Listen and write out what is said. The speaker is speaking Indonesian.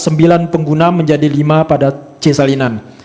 sembilan pengguna menjadi lima pada c salinan